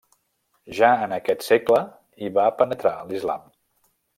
Ja en aquest segle hi va penetrar l'islam.